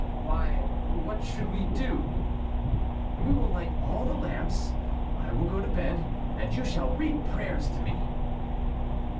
"Why, what should we do?" "We will light all the lamps, I will go to bed, and you shall read prayers to me."